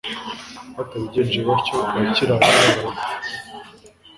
Batabigenje batyo, abakirayemo barapfa